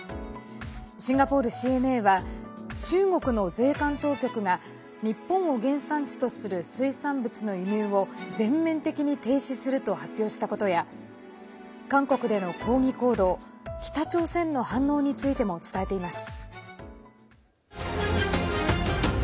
シンガポールＣＮＡは中国の税関当局が日本を原産地とする水産物の輸入を全面的に停止すると発表したことや韓国での抗議行動、北朝鮮の反応についても伝えています。